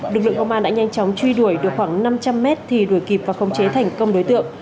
lực lượng công an đã nhanh chóng truy đuổi được khoảng năm trăm linh mét thì đuổi kịp và khống chế thành công đối tượng